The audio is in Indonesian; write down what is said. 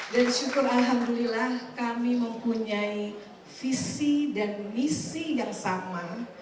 dan syukur alhamdulillah kami mempunyai visi dan misi yang sama